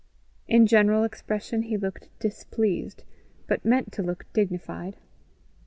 In general expression he looked displeased, but meant to look dignified.